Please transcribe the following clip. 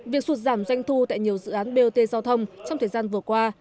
việc sụt giảm doanh thu tại nhiều dự án bot giao thông trong thời gian vừa qua